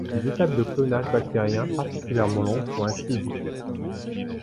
Les étapes de clonage bactérien particulièrement longues sont ainsi évitées.